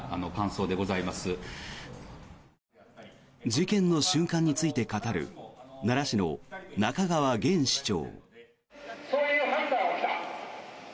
事件の瞬間について語る奈良市の仲川げん市長。